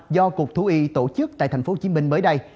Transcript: do cục thú y tổ chức tại tp hcm mới đây